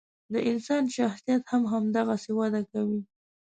د انسان شخصیت هم همدغسې وده کوي.